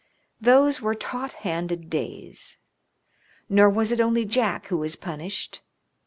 Those were taut handed days. Nor was it only Jack who was punished.